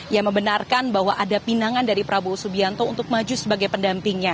yang membenarkan bahwa ada pinangan dari prabowo subianto untuk maju sebagai pendampingnya